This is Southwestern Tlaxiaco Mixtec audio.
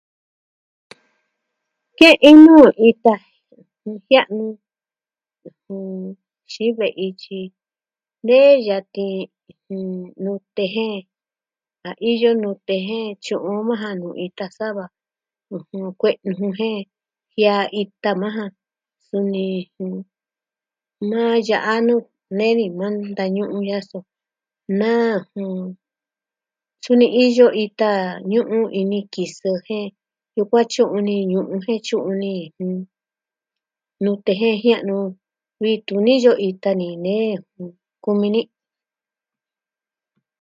Ke'en nuu e taji jia'nu. ɨjɨn, tyi ve'i ityi nee yatin, ɨjɨn, nute jen da iyo nute jen tyu'un maa ja nuu ita sava, ɨjɨn, kue'e, ɨjɨn, jiaa ita maja. Suni nuu ya'a nuu nee ni ma ntañu'u yasɨn. Na, jɨn... tyu nee iyo ita ñu'un ini kisɨ jen, kukua'a tyu'un ni ñu'un jen tyu'un ni nute je jia'nu vi tu niyo ita ni nee kumi ni.